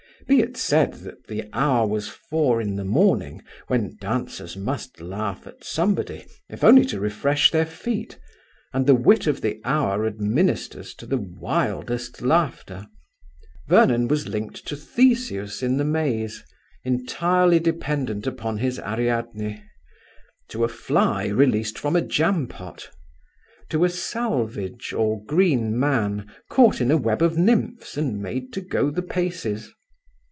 Be it said that the hour was four in the morning, when dancers must laugh at somebody, if only to refresh their feet, and the wit of the hour administers to the wildest laughter. Vernon was likened to Theseus in the maze, entirely dependent upon his Ariadne; to a fly released from a jam pot; to a "salvage", or green, man caught in a web of nymphs and made to go the paces.